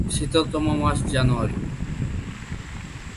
শীতলতম মাস জানুয়ারী।